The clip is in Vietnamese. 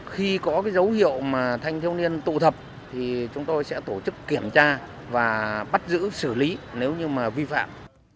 khi có cái dấu hiệu mà thanh thiếu niên tụ thập thì chúng tôi sẽ tổ chức kiểm tra và bắt giữ xử lý nếu như mà vi phạm